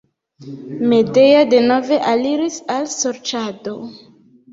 Medea denove aliris al sorĉado.